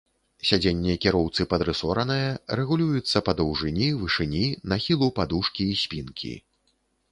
Сядзенне кіроўцы падрысоранае, рэгулюецца па даўжыні, вышыні, нахілу падушкі і спінкі.